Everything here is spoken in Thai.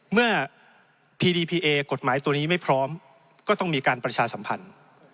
พีดีพีเอกฎหมายตัวนี้ไม่พร้อมก็ต้องมีการประชาสัมพันธ์